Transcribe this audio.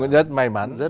rất may mắn